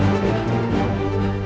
aku akan menang